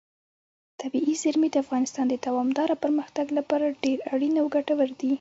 طبیعي زیرمې د افغانستان د دوامداره پرمختګ لپاره ډېر اړین او ګټور دي.